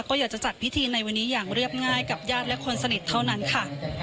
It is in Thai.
ก็อยากจะจัดพิธีในวันนี้อย่างเรียบง่ายกับญาติและคนสนิทเท่านั้นค่ะ